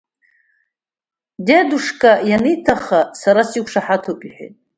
Дедушка ианиҭахха, сара сақәшаҳаҭуп, — иҳәеит.